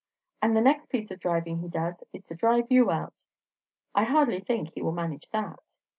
"And the next piece of driving he does, is to drive you out." "I hardly think he will manage that."